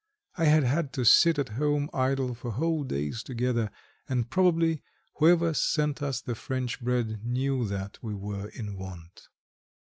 I had had to sit at home idle for whole days together, and probably whoever sent us the French bread knew that we were in want.